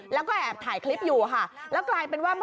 แล้วก็แอบถ่ายคลิปอยู่ค่ะแล้วกลายเป็นว่า